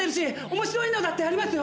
面白いのだってありますよ